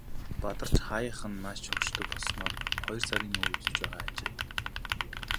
Бадарч хааяахан нааш шогшдог болсоор хоёр сарын нүүр үзэж байгаа ажээ.